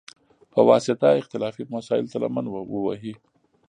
په واسطه، اختلافي مسایلوته لمن ووهي،